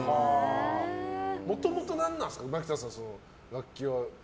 もともと何なんですかマキタさん、楽器は。